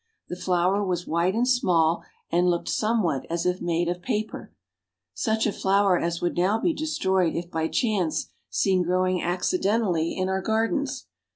The flower was white and small, and looked somewhat as if made of paper such a flower as would now be destroyed if by chance seen growing accidentally in our gardens.